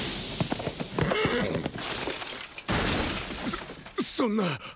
そそんな！